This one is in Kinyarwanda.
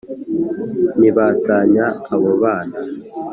ntibatanya abo bana